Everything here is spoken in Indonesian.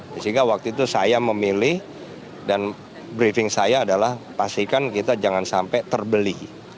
sehingga waktu itu saya memilih dan briefing saya adalah pastikan kita jangan sampai terbeli